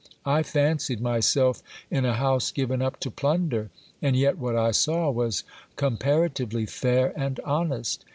I fancied myself in a house given up to plunder ; and yet what I saw was comparatively fair and honest.